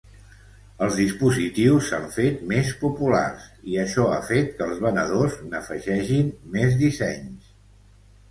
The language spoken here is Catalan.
Els dispositius s'han fet més populars, i això ha fet que els venedors n'afegeixin més dissenys.